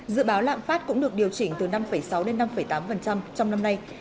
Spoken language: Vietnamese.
dự báo lạm phát cũng được điều chỉnh từ năm sáu đến năm tám trong năm nay